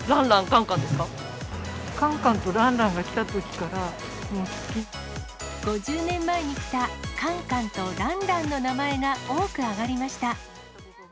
カンカンとランランが来たと５０年前に来た、カンカンとランランの名前が多く上がりました。